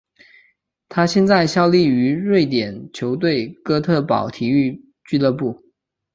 他现在效力于瑞典球队哥特堡体育俱乐部。